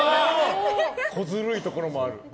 こずるいところもある。